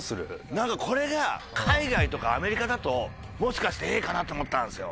これが海外とかアメリカだともしかしてＡかなって思ったんですよ。